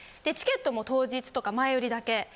チケットも当日とか前売りだけ。